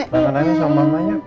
perangkan aja sama mamanya